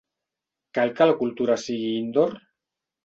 ¿Cal que la cultura sigui "indoor"?